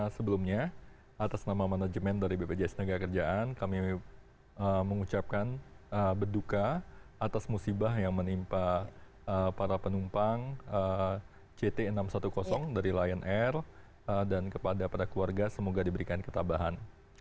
sebelumnya atas nama manajemen dari bpjs tenaga kerjaan kami mengucapkan berduka atas musibah yang menimpa para penumpang ct enam ratus sepuluh dari lion air dan kepada para keluarga semoga diberikan ketabahan